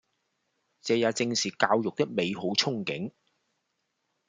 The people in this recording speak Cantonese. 這也正是教育的美好憧憬